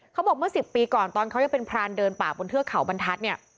เขาบอกเมื่อ๑๐ปีก่อนตอนเขายังเป็นพรานเดินป่าบนเทือกเขาบรรทัศน์เนี่ย